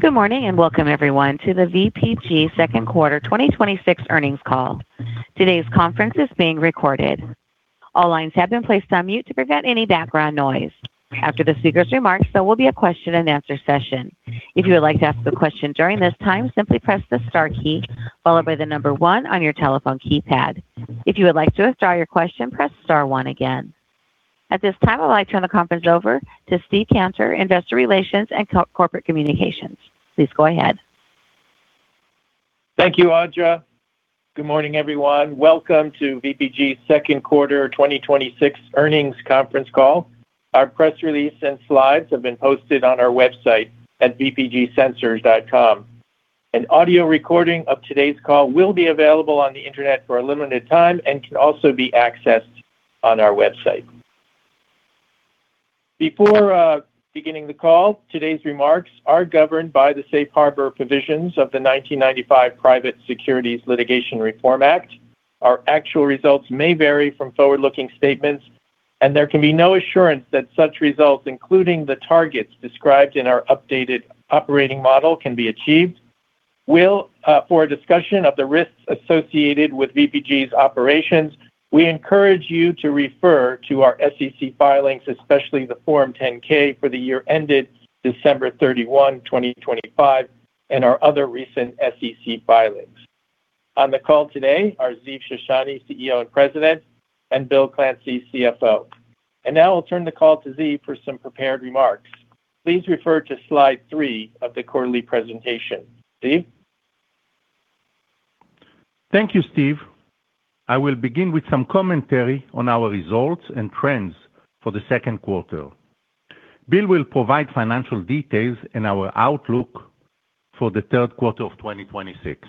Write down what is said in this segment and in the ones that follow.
Good morning, welcome everyone to the VPG Second Quarter 2026 Earnings Call. Today's conference is being recorded. All lines have been placed on mute to prevent any background noise. After the speaker's remarks, there will be a question-and-answer session. If you would like to ask a question during this time, simply press the star key, followed by the number one on your telephone keypad. If you would like to withdraw your question, press star one again. At this time, I would like to turn the conference over to Steven Cantor, Investor Relations and Corporate Communications. Please go ahead. Thank you, Audra. Good morning, everyone. Welcome to VPG's Second Quarter 2026 Earnings Conference Call. Our press release and slides have been posted on our website at vpgsensors.com. An audio recording of today's call will be available on the internet for a limited time and can also be accessed on our website. Before beginning the call, today's remarks are governed by the safe harbor provisions of the 1995 Private Securities Litigation Reform Act. Our actual results may vary from forward-looking statements, and there can be no assurance that such results, including the targets described in our updated operating model, can be achieved. For a discussion of the risks associated with VPG's operations, we encourage you to refer to our SEC filings, especially the Form 10-K for the year ended December 31, 2025, and our other recent SEC filings. On the call today are Ziv Shoshani, CEO and President, and Bill Clancy, CFO. Now I'll turn the call to Ziv for some prepared remarks. Please refer to slide three of the quarterly presentation. Ziv? Thank you, Steve. I will begin with some commentary on our results and trends for the second quarter. Bill will provide financial details and our outlook for the third quarter of 2026.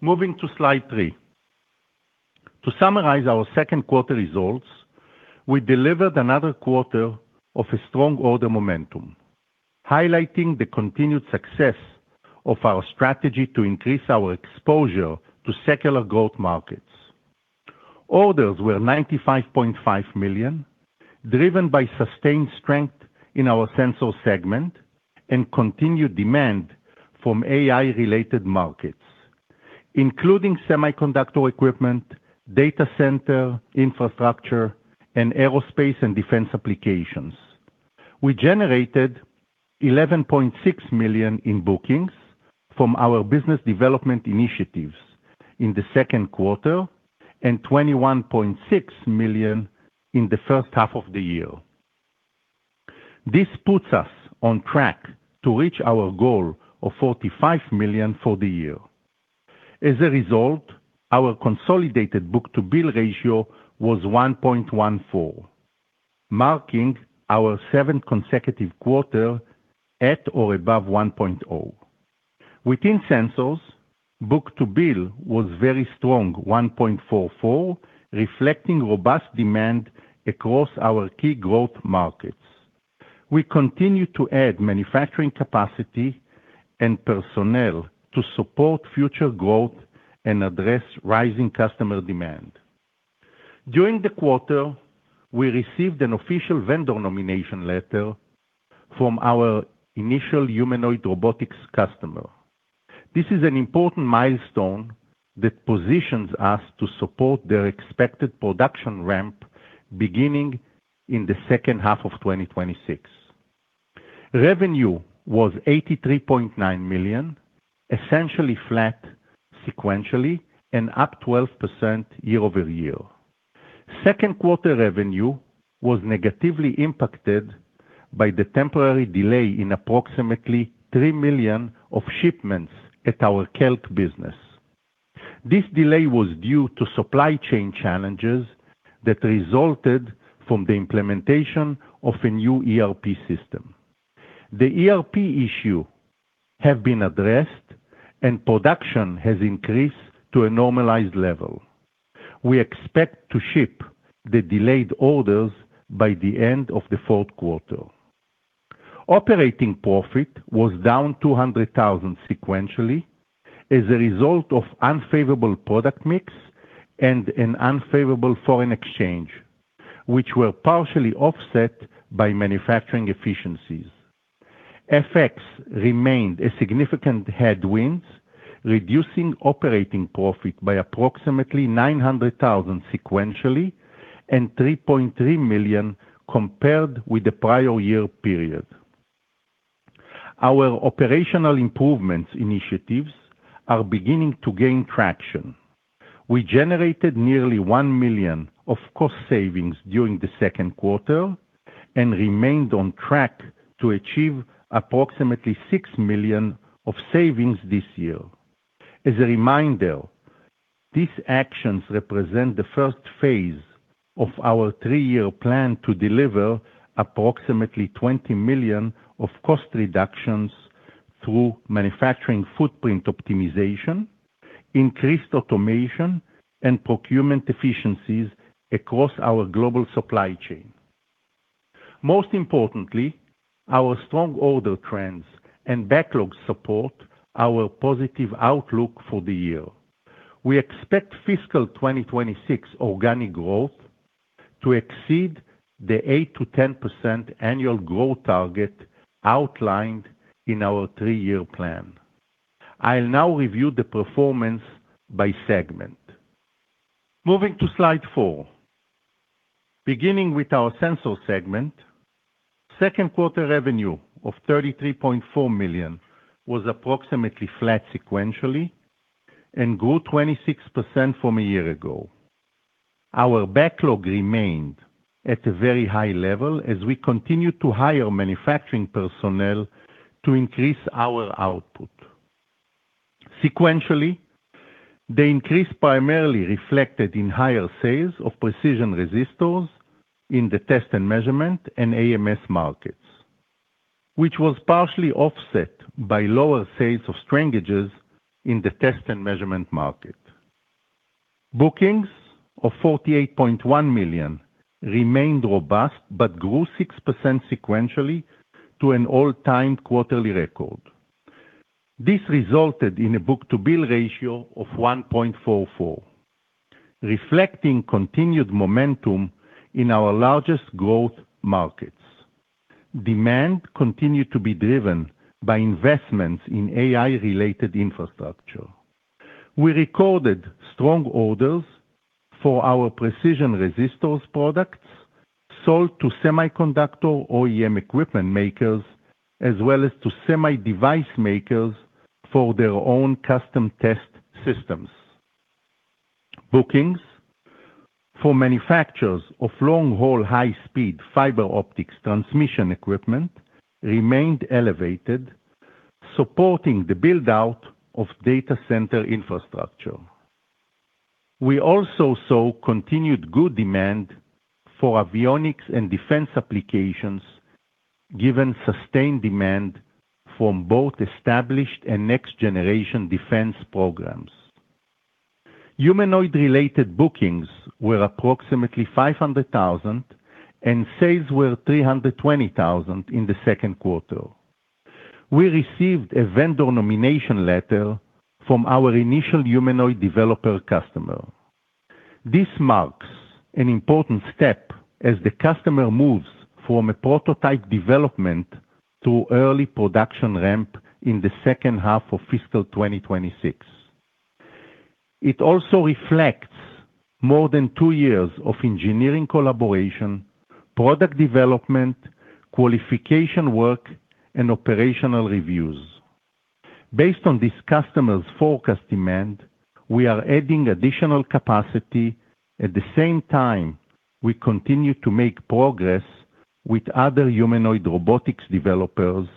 Moving to slide three. To summarize our second quarter results, we delivered another quarter of a strong order momentum, highlighting the continued success of our strategy to increase our exposure to secular growth markets. Orders were $95.5 million, driven by sustained strength in our Sensors segment and continued demand from AI-related markets, including semiconductor equipment, data center infrastructure, and aerospace and defense applications. We generated $11.6 million in bookings from our business development initiatives in the second quarter and $21.6 million in the first half of the year. This puts us on track to reach our goal of $45 million for the year. As a result, our consolidated book-to-bill ratio was 1.14, marking our seventh consecutive quarter at or above 1.0. Within Sensors, book-to-bill was very strong, 1.44, reflecting robust demand across our key growth markets. We continue to add manufacturing capacity and personnel to support future growth and address rising customer demand. During the quarter, we received an official vendor nomination letter from our initial humanoid robotics customer. This is an important milestone that positions us to support their expected production ramp beginning in the second half of 2026. Revenue was $83.9 million, essentially flat sequentially and up 12% year-over-year. Second quarter revenue was negatively impacted by the temporary delay in approximately 3 million of shipments at our KELK business. This delay was due to supply chain challenges that resulted from the implementation of a new ERP system. The ERP issue have been addressed, and production has increased to a normalized level. We expect to ship the delayed orders by the end of the fourth quarter. Operating profit was down $200 thousand sequentially as a result of unfavorable product mix and an unfavorable foreign exchange, which were partially offset by manufacturing efficiencies. FX remained a significant headwind, reducing operating profit by approximately $900 thousand sequentially and $3.3 million compared with the prior year period. Our operational improvements initiatives are beginning to gain traction. We generated nearly $1 million of cost savings during the second quarter and remained on track to achieve approximately $6 million of savings this year. As a reminder, these actions represent the first phase of our three-year plan to deliver approximately $20 million of cost reductions through manufacturing footprint optimization, increased automation, and procurement efficiencies across our global supply chain. Most importantly, our strong order trends and backlogs support our positive outlook for the year. We expect fiscal 2026 organic growth to exceed the 8%-10% annual growth target outlined in our three-year plan. I'll now review the performance by segment. Moving to slide four. Beginning with our Sensors segment, second quarter revenue of $33.4 million was approximately flat sequentially and grew 26% from a year ago. Our backlog remained at a very high level as we continued to hire manufacturing personnel to increase our output. Sequentially, the increase primarily reflected in higher sales of precision resistors in the test and measurement and AMS markets, which was partially offset by lower sales of strain gages in the test and measurement market. Bookings of $48.1 million remained robust but grew 6% sequentially to an all-time quarterly record. This resulted in a book-to-bill ratio of 1.44, reflecting continued momentum in our largest growth markets. Demand continued to be driven by investments in AI-related infrastructure. We recorded strong orders for our precision resistors products sold to semiconductor OEM equipment makers, as well as to semi-device makers for their own custom test systems. Bookings for manufacturers of long-haul, high-speed fiber optics transmission equipment remained elevated, supporting the build-out of data center infrastructure. We also saw continued good demand for avionics and defense applications, given sustained demand from both established and next-generation defense programs. Humanoid-related bookings were approximately $500,000 and sales were $320,000 in the second quarter. We received a vendor nomination letter from our initial humanoid developer customer. This marks an important step as the customer moves from a prototype development to early production ramp in the second half of fiscal 2026. It also reflects more than two years of engineering collaboration, product development, qualification work, and operational reviews. Based on this customer's forecast demand, we are adding additional capacity. At the same time, we continue to make progress with other humanoid robotics developers,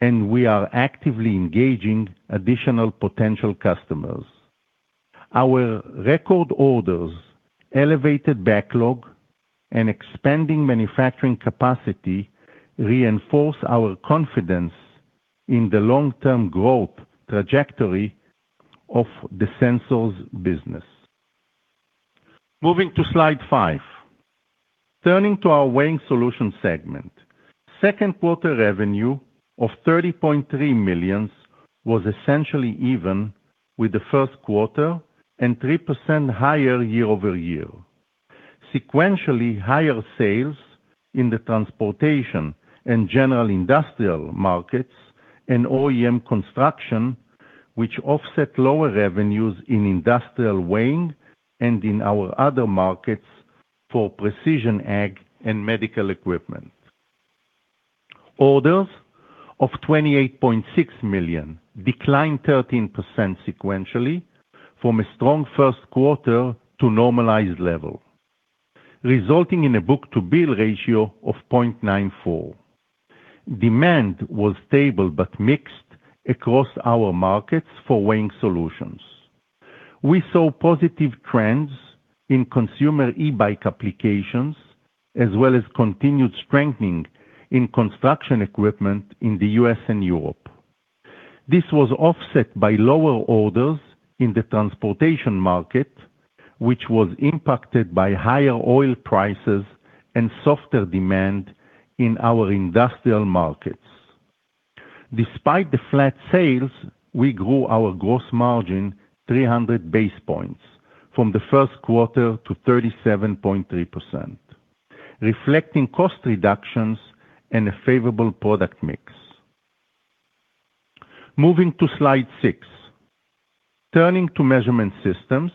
and we are actively engaging additional potential customers. Our record orders, elevated backlog, and expanding manufacturing capacity reinforce our confidence in the long-term growth trajectory of the Sensors business. Moving to slide five. Turning to our Weighing Solutions segment, second quarter revenue of $30.3 million was essentially even with the first quarter and 3% higher year-over-year. Sequentially higher sales in the transportation and general industrial markets and OEM construction, which offset lower revenues in industrial weighing and in our other markets for precision ag and medical equipment. Orders of $28.6 million declined 13% sequentially from a strong first quarter to normalized level, resulting in a book-to-bill ratio of 0.94. Demand was stable, but mixed across our markets for Weighing Solutions. We saw positive trends in consumer e-bike applications, as well as continued strengthening in construction equipment in the U.S. and Europe. This was offset by lower orders in the transportation market, which was impacted by higher oil prices and softer demand in our industrial markets. Despite the flat sales, we grew our gross margin 300 basis points from the first quarter to 37.3%, reflecting cost reductions and a favorable product mix. Moving to slide six. Turning to Measurement Systems,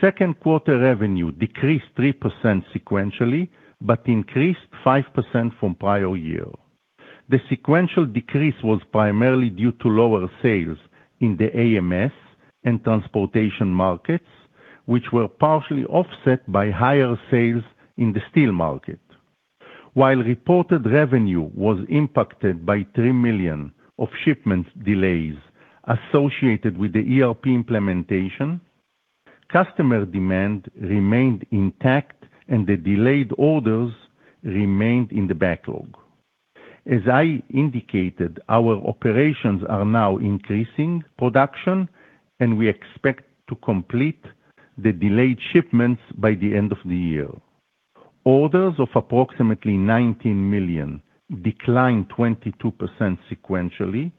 second quarter revenue decreased 3% sequentially, but increased 5% from prior year. The sequential decrease was primarily due to lower sales in the AMS and transportation markets, which were partially offset by higher sales in the steel market. While reported revenue was impacted by $3 million of shipment delays associated with the ERP implementation, customer demand remained intact, and the delayed orders remained in the backlog. As I indicated, our operations are now increasing production, and we expect to complete the delayed shipments by the end of the year. Orders of approximately $19 million declined 22% sequentially.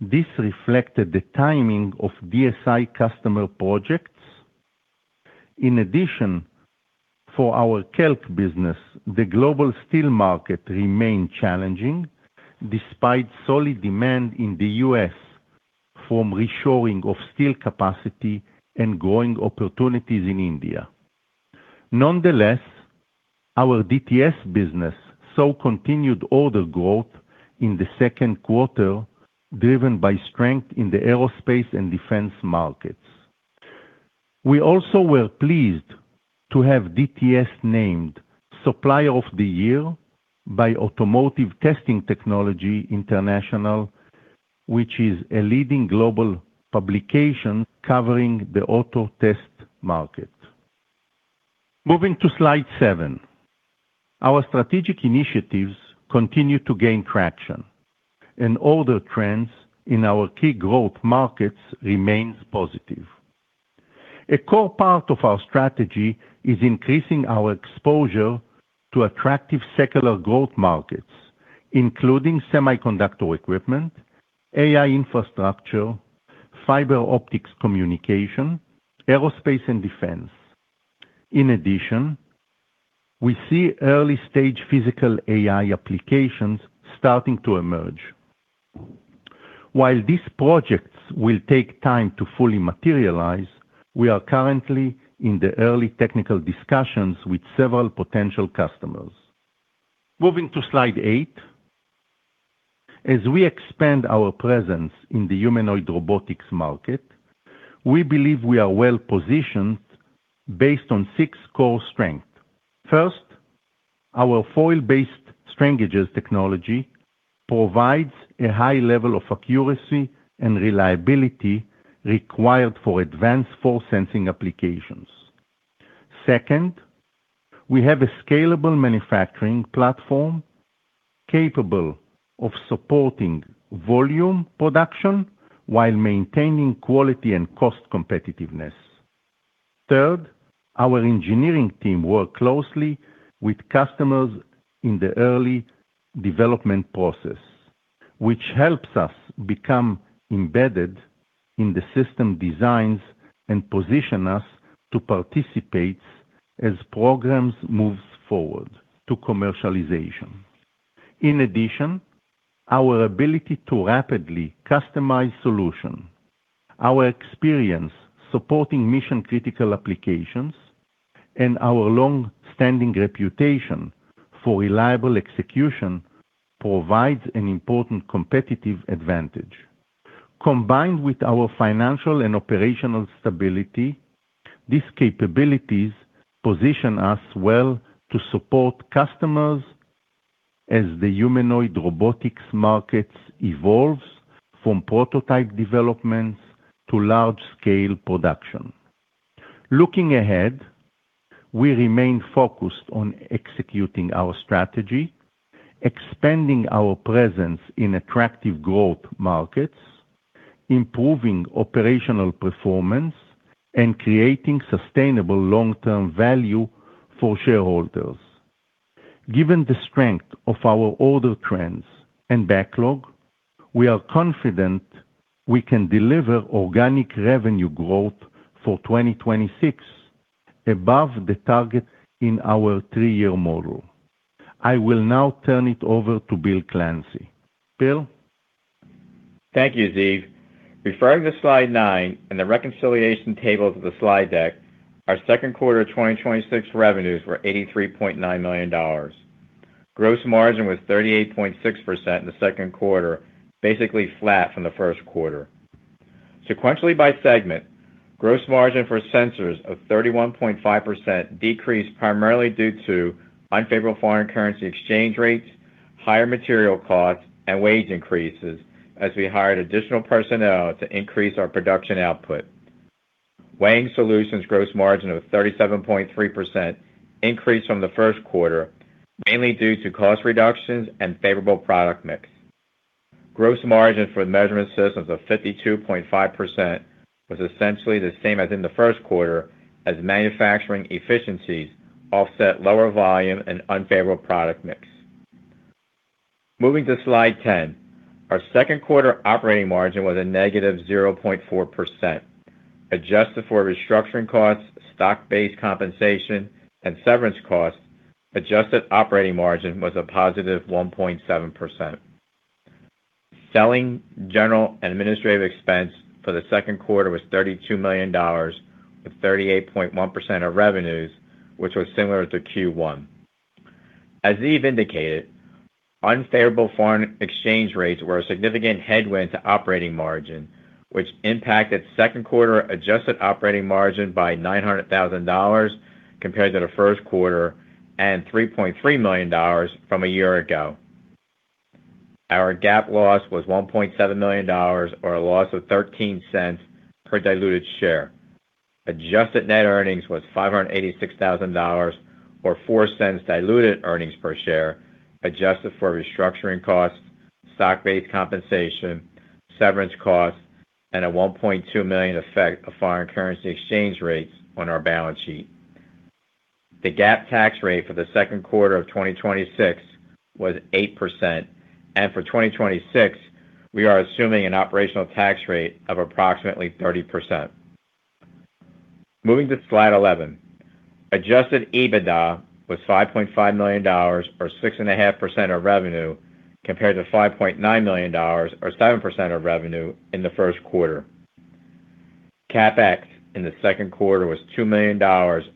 This reflected the timing of DSI customer projects. In addition, for our KELK business, the global steel market remained challenging despite solid demand in the U.S. from reshoring of steel capacity and growing opportunities in India. Nonetheless, our DTS business saw continued order growth in the second quarter, driven by strength in the aerospace and defense markets. We also were pleased to have DTS named Supplier of the Year by Automotive Testing Technology International, which is a leading global publication covering the auto test market. Moving to slide seven. Our strategic initiatives continue to gain traction and order trends in our key growth markets remains positive. A core part of our strategy is increasing our exposure to attractive secular growth markets, including semiconductor equipment, AI infrastructure, fiber optics communication, aerospace and defense. In addition, we see early-stage physical AI applications starting to emerge. While these projects will take time to fully materialize, we are currently in the early technical discussions with several potential customers. Moving to slide eight. As we expand our presence in the humanoid robotics market, we believe we are well-positioned based on six core strengths. First, our foil-based strain gages technology provides a high level of accuracy and reliability required for advanced force-sensing applications. Second, we have a scalable manufacturing platform capable of supporting volume production while maintaining quality and cost competitiveness. Third, our engineering team work closely with customers in the early development process, which helps us become embedded in the system designs and position us to participate as programs moves forward to commercialization. In addition, our ability to rapidly customize solution, our experience supporting mission-critical applications, and our long-standing reputation for reliable execution provides an important competitive advantage. Combined with our financial and operational stability, these capabilities position us well to support customers as the humanoid robotics markets evolves from prototype development to large-scale production. Looking ahead, we remain focused on executing our strategy, expanding our presence in attractive growth markets, improving operational performance, and creating sustainable long-term value for shareholders. Given the strength of our order trends and backlog, we are confident we can deliver organic revenue growth for 2026 above the target in our three-year model. I will now turn it over to William Clancy. Bill? Thank you, Ziv. Referring to slide nine and the reconciliation table to the slide deck, our second quarter 2026 revenues were $83.9 million. Gross margin was 38.6% in the second quarter, basically flat from the first quarter. Sequentially by segment, gross margin for Sensors of 31.5% decreased primarily due to unfavorable foreign currency exchange rates, higher material costs, and wage increases as we hired additional personnel to increase our production output. Weighing Solutions gross margin of 37.3% increased from the first quarter, mainly due to cost reductions and favorable product mix. Gross margin for Measurement Systems of 52.5% was essentially the same as in the first quarter as manufacturing efficiencies offset lower volume and unfavorable product mix. Moving to slide 10. Our second quarter operating margin was a negative 0.4%. Adjusted for restructuring costs, stock-based compensation, and severance costs, adjusted operating margin was a positive 1.7%. Selling, general, and administrative expense for the second quarter was $32 million, with 38.1% of revenues, which was similar to Q1. As Ziv indicated, unfavorable foreign exchange rates were a significant headwind to operating margin, which impacted second quarter-adjusted operating margin by $900,000 compared to the first quarter, and $3.3 million from a year ago. Our GAAP loss was $1.7 million, or a loss of $0.13 per diluted share. Adjusted net earnings was $586,000, or $0.04 diluted earnings per share, adjusted for restructuring costs, stock-based compensation, severance costs And a $1.2 million effect of foreign currency exchange rates on our balance sheet. The GAAP tax rate for the second quarter of 2026 was 8%, and for 2026, we are assuming an operational tax rate of approximately 30%. Moving to slide 11. Adjusted EBITDA was $5.5 million, or 6.5% of revenue, compared to $5.9 million, or 7% of revenue in the first quarter. CapEx in the second quarter was $2 million,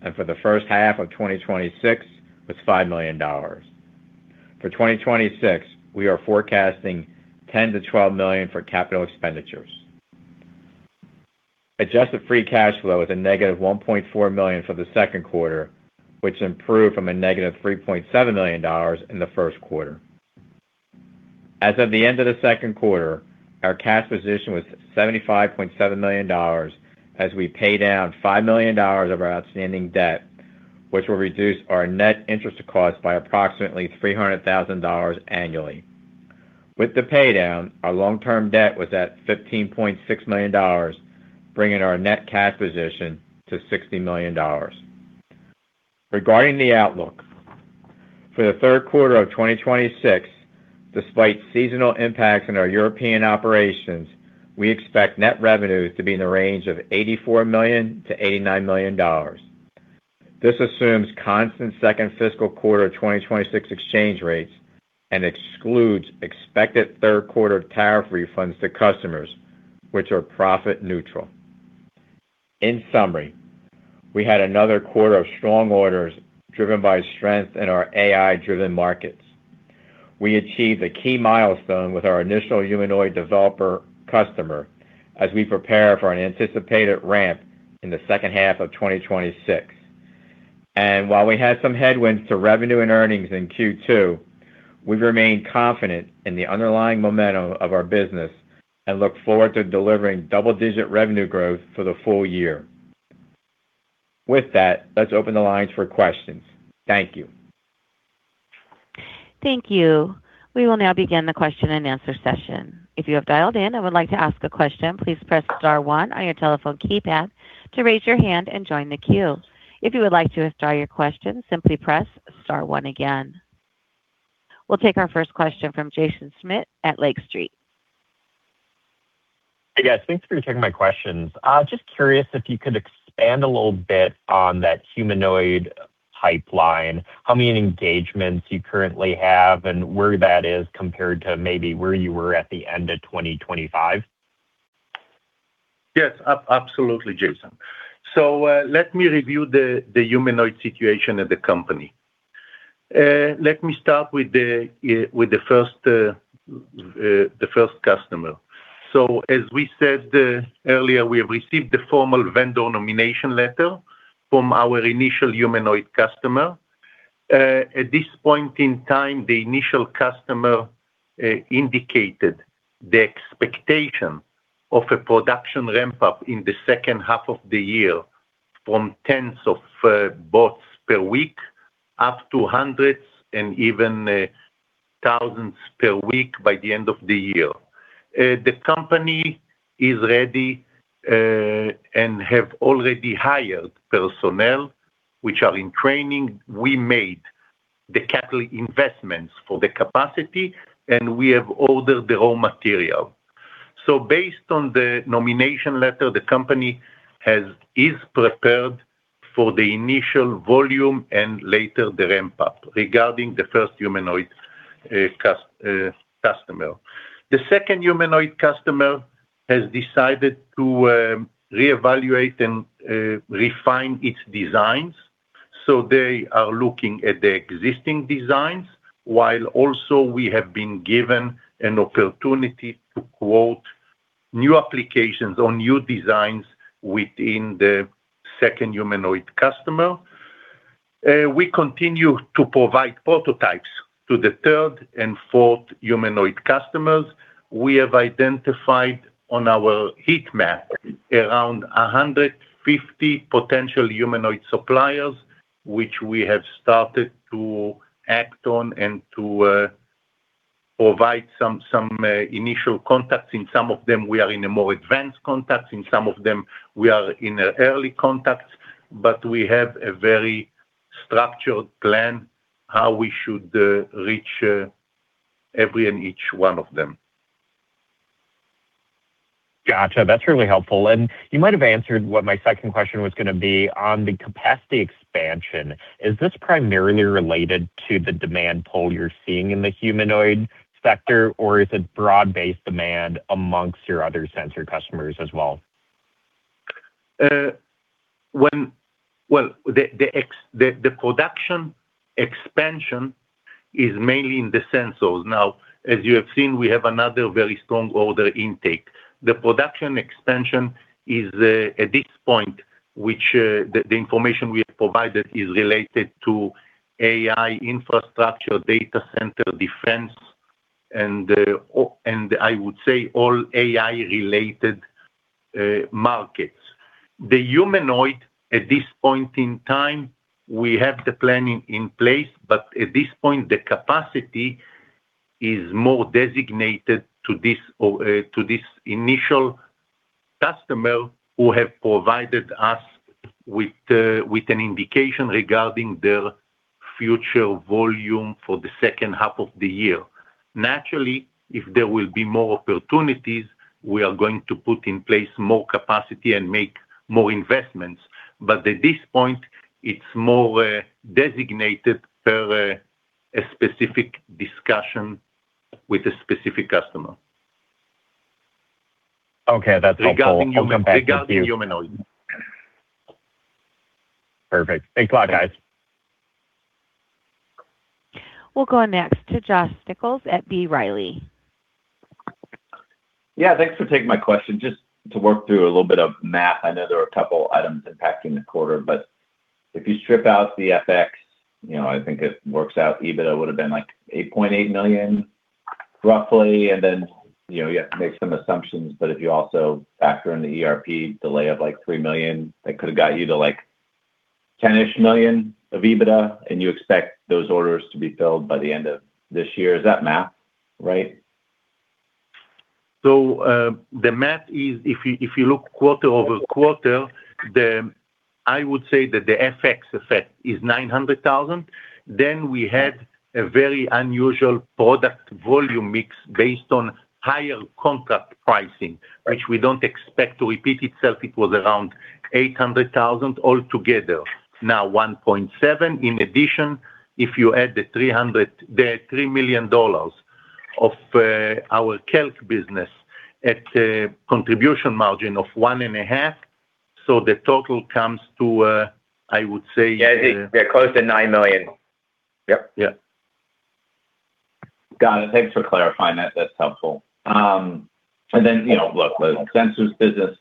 and for the first half of 2026, was $5 million. For 2026, we are forecasting $10 million to $12 million for capital expenditures. Adjusted free cash flow is a negative $1.4 million for the second quarter, which improved from a negative $3.7 million in the first quarter. As of the end of the second quarter, our cash position was $75.7 million, as we paid down $5 million of our outstanding debt, which will reduce our net interest cost by approximately $300,000 annually. With the pay down, our long-term debt was at $15.6 million, bringing our net cash position to $60 million. Regarding the outlook. For the third quarter of 2026, despite seasonal impacts in our European operations, we expect net revenues to be in the range of $84 million to $89 million. This assumes constant second fiscal quarter 2026 exchange rates and excludes expected third quarter tariff refunds to customers, which are profit neutral. In summary, we had another quarter of strong orders driven by strength in our AI-driven markets. We achieved a key milestone with our initial humanoid developer customer as we prepare for an anticipated ramp in the second half of 2026. While we had some headwinds to revenue and earnings in Q2, we remain confident in the underlying momentum of our business and look forward to delivering double-digit revenue growth for the full year. With that, let's open the lines for questions. Thank you. Thank you. We will now begin the question-and-answer session. If you have dialed in and would like to ask a question, please press star one on your telephone keypad to raise your hand and join the queue. If you would like to withdraw your question, simply press star one again. We'll take our first question from Jaeson Schmidt at Lake Street. Hey, guys. Thanks for taking my questions. Just curious if you could expand a little bit on that humanoid pipeline, how many engagements you currently have, and where that is compared to maybe where you were at the end of 2025? Yes. Absolutely, Jaeson. Let me review the humanoid situation at the company. Let me start with the first customer. As we said earlier, we have received the formal vendor nomination letter from our initial humanoid customer. At this point in time, the initial customer indicated the expectation of a production ramp up in the second half of the year from tens of bots per week up to hundreds and even thousands per week by the end of the year. The company is ready and have already hired personnel, which are in training. We made the capital investments for the capacity, We have ordered the raw material. Based on the nomination letter, the company is prepared for the initial volume and later the ramp up regarding the first humanoid customer. The second humanoid customer has decided to reevaluate and refine its designs, they are looking at the existing designs while also we have been given an opportunity to quote new applications on new designs within the second humanoid customer. We continue to provide prototypes to the third and fourth humanoid customers. We have identified on our heat map around 150 potential humanoid suppliers, which we have started to act on and to provide some initial contacts. In some of them, we are in a more advanced contacts. In some of them, we are in an early contacts. We have a very structured plan how we should reach every and each one of them. Got you. That's really helpful. You might have answered what my second question was going to be on the capacity expansion. Is this primarily related to the demand pull you're seeing in the humanoid sector, or is it broad-based demand amongst your other sensor customers as well? Well, the production expansion is mainly in the sensors. Now, as you have seen, we have another very strong order intake. The production expansion is, at this point, which the information we have provided is related to AI infrastructure, data center defense, and I would say all AI-related markets. The humanoid, at this point in time, we have the planning in place, at this point, the capacity is more designated to this initial customer who have provided us with an indication regarding their future volume for the second half of the year. Naturally, if there will be more opportunities, we are going to put in place more capacity and make more investments. At this point, it's more designated per a specific discussion with a specific customer. Okay. That's helpful. I'll come back to you. Regarding humanoid. Perfect. Thanks a lot, guys. We'll go next to Josh Nichols at B. Riley. Yeah. Thanks for taking my question. Just to work through a little bit of math, I know there are a couple items impacting the quarter, but if you strip out the FX, I think it works out EBITDA would've been like $8.8 million roughly, and then you have to make some assumptions, but if you also factor in the ERP delay of like $3 million, that could've got you to like 10-ish million of EBITDA, and you expect those orders to be filled by the end of this year. Is that math right? The math is, if you look quarter-over-quarter, I would say that the FX effect is $900,000. We had a very unusual product volume mix based on higher contract pricing, which we don't expect to repeat itself. It was around $800,000 altogether. Now $1.7 million. In addition, if you add the $3 million of our KELK business at a contribution margin of one and a half, the total comes to, I would say Yeah, close to $9 million. Yep. Yeah. Got it. Thanks for clarifying that. That's helpful. Look, the Sensors business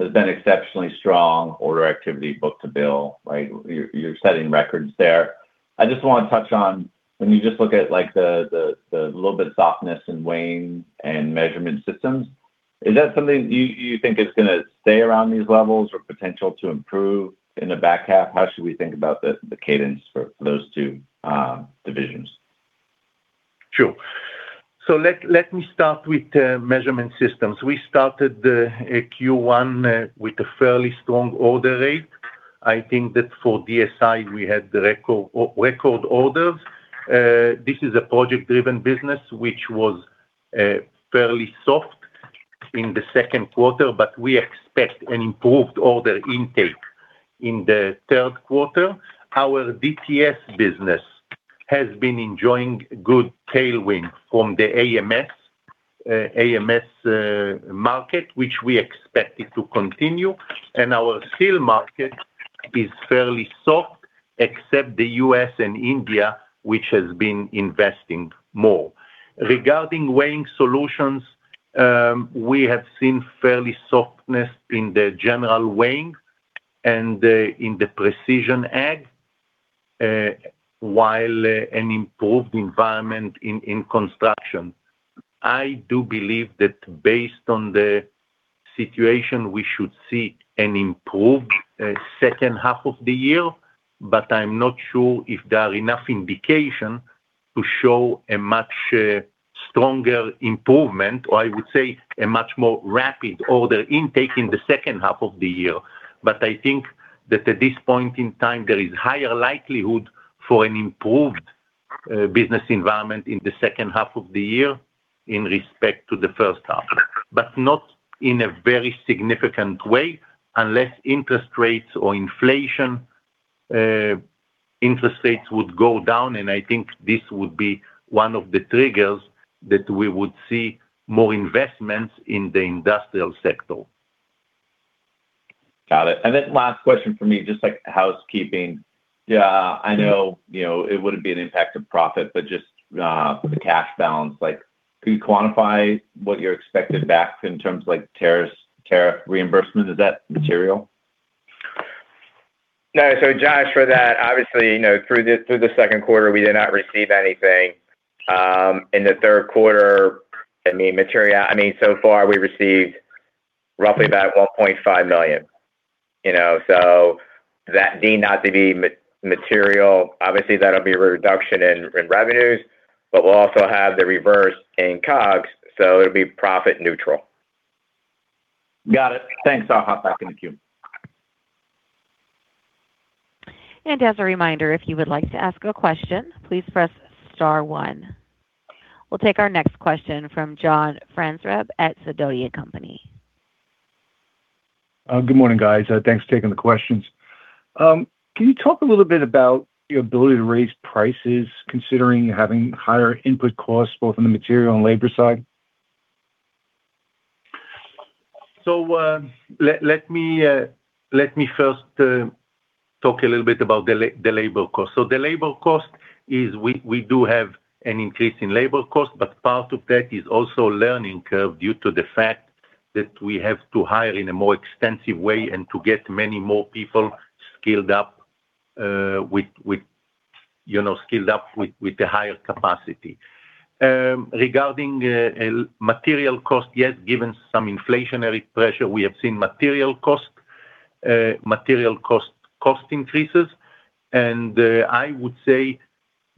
has been exceptionally strong. Order activity book-to-bill, right? You're setting records there. I just want to touch on when you just look at the little bit softness in Weighing and Measurement Systems, is that something you think is going to stay around these levels or potential to improve in the back half? How should we think about the cadence for those two divisions? Sure. Let me start with Measurement Systems. We started the first quarter with a fairly strong order rate. I think that for DSI, we had record orders. This is a project-driven business, which was fairly soft in the second quarter, but we expect an improved order intake in the third quarter. Our DTS business has been enjoying good tailwind from the AMS market, which we expect it to continue, and our steel market is fairly soft, except the U.S. and India, which has been investing more. Regarding Weighing Solutions, we have seen fairly softness in the general weighing and in the precision ag, while an improved environment in construction. I do believe that based on the situation, we should see an improved second half of the year, but I'm not sure if there are enough indication to show a much stronger improvement, or I would say a much more rapid order intake in the second half of the year. I think that at this point in time, there is higher likelihood for an improved business environment in the second half of the year in respect to the first half, but not in a very significant way unless interest rates or inflation, interest rates would go down, and I think this would be one of the triggers that we would see more investments in the industrial sector. Got it. Last question from me, just like housekeeping. I know it wouldn't be an impact to profit, but just for the cash balance, can you quantify what you're expected back in terms of like tariff reimbursement? Is that material? No. Josh, for that, obviously, through the second quarter, we did not receive anything. In the third quarter, so far we received roughly about $1.5 million. That deemed not to be material. Obviously, that'll be a reduction in revenues, but we'll also have the reverse in COGS, so it'll be profit neutral. Got it. Thanks. I'll hop back in the queue. As a reminder, if you would like to ask a question, please press star one. We'll take our next question from John Franzreb at Sidoti & Company. Good morning, guys. Thanks for taking the questions. Can you talk a little bit about your ability to raise prices, considering having higher input costs both on the material and labor side? Let me first talk a little bit about the labor cost. The labor cost is we do have an increase in labor cost, but part of that is also learning curve due to the fact that we have to hire in a more extensive way and to get many more people skilled up with scaled up with the higher capacity. Regarding material cost, yes, given some inflationary pressure, we have seen material cost increases. I would say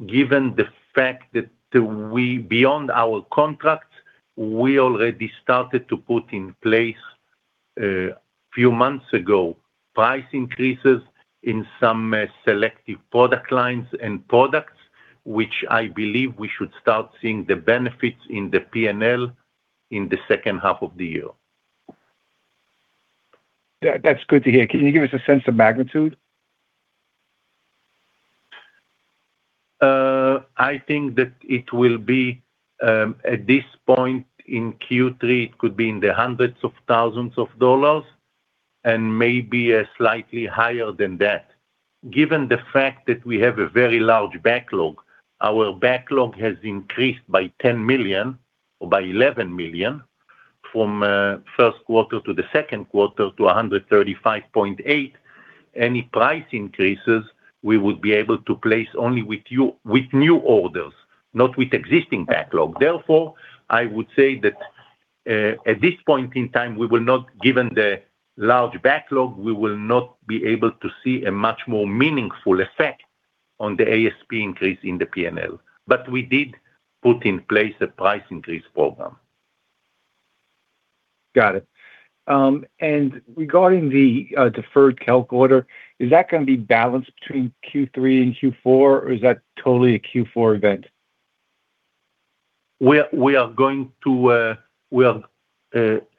given the fact that beyond our contracts, we already started to put in place, a few months ago, price increases in some selective product lines and products, which I believe we should start seeing the benefits in the P&L in the second half of the year. That's good to hear. Can you give us a sense of magnitude? I think that it will be, at this point in Q3, it could be in the hundreds of thousands of dollars, and maybe slightly higher than that. Given the fact that we have a very large backlog, our backlog has increased by $11 million from first quarter to the second quarter to $135.8. Any price increases we would be able to place only with new orders, not with existing backlog. I would say that at this point in time, given the large backlog, we will not be able to see a much more meaningful effect on the ASP increase in the P&L. We did put in place a price increase program. Got it. Regarding the deferred KELK order, is that going to be balanced between Q3 and Q4, or is that totally a Q4 event?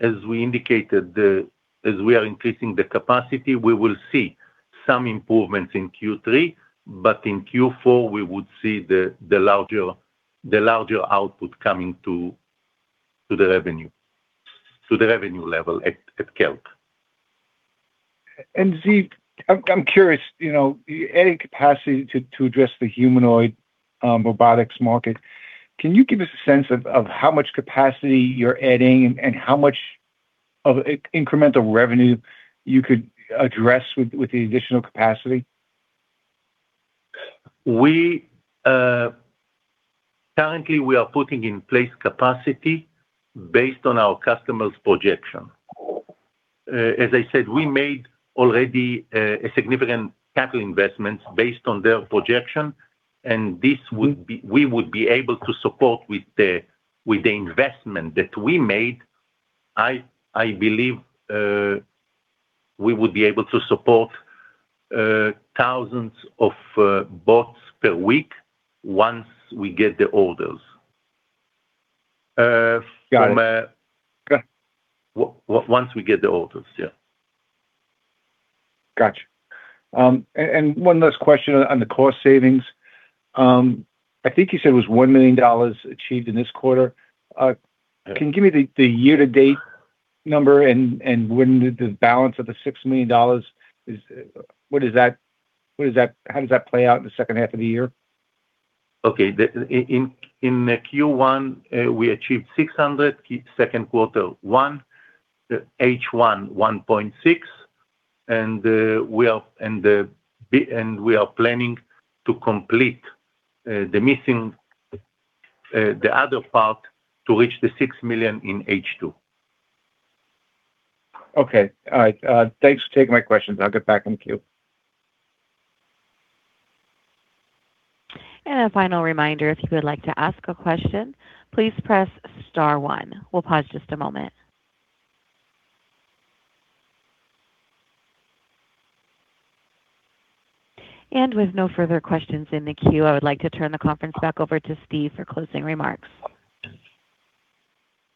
As we indicated, as we are increasing the capacity, we will see some improvements in Q3, but in Q4, we would see the larger output coming to the revenue level at KELK. Ziv, I'm curious, adding capacity to address the humanoid robotics market, can you give us a sense of how much capacity you're adding and how much of incremental revenue you could address with the additional capacity? Currently, we are putting in place capacity based on our customers' projection. As I said, we made already a significant capital investment based on their projection, and we would be able to support with the investment that we made. I believe we would be able to support thousands of bots per week once we get the orders. Got it. Okay. Once we get the orders, yeah. Got you. One last question on the cost savings. I think you said it was $1 million achieved in this quarter. Yeah. Can you give me the year-to-date number and when the balance of the $6 million is? How does that play out in the second half of the year? Okay. In the Q1, we achieved $600. Second quarter, $1. H1, $1.6. We are planning to complete the other part to reach the $6 million in H2. Okay. All right. Thanks for taking my questions. I'll get back in queue. A final reminder, if you would like to ask a question, please press star one. We'll pause just a moment. With no further questions in the queue, I would like to turn the conference back over to Steve for closing remarks.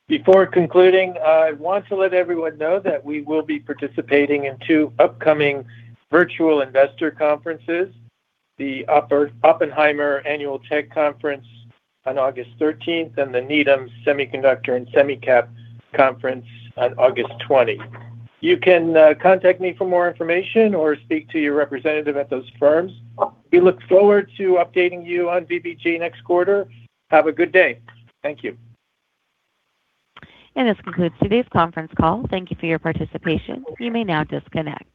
Before concluding, I want to let everyone know that we will be participating in two upcoming virtual investor conferences, the Oppenheimer Annual Tech Conference on August 13th and the Needham Semiconductor & SemiCap Conference on August 20. You can contact me for more information or speak to your representative at those firms. We look forward to updating you on VPG next quarter. Have a good day. Thank you. This concludes today's conference call. Thank you for your participation. You may now disconnect.